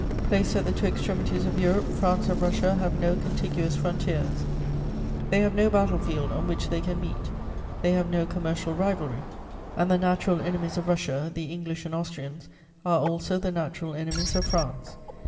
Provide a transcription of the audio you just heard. Placed at the two extremities of Europe, France and Russia have no contiguous frontiers; they have no battle field on which they can meet, they have no commercial rivalry, and the natural enemies of Russia, the English and Austrians, are also the natural enemies of France.